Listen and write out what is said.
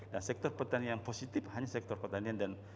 dan sektor pertanian positif hanya sektor pertanian yang positif